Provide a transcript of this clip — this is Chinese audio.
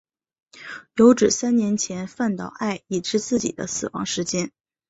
有指三年前饭岛爱已知自己的死亡时间。